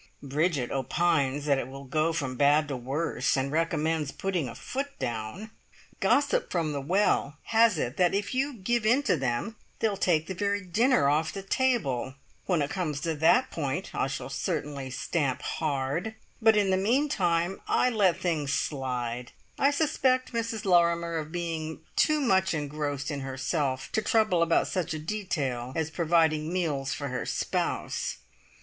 Bridget opines that it will go from bad to worse, and recommends putting a foot down. Gossip from the "Well" has it that if you "give in to them, they'll take the very dinner off the table". When it comes to that point, I shall certainly stamp hard; but in the meantime I let things slide. I suspect Mrs Lorrimer of being too much engrossed in herself to trouble about such a detail as providing meals for her spouse.